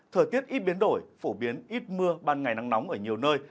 thời tiết ít biến đổi phổ biến ít mưa ban ngày nắng nóng ở nhiều nơi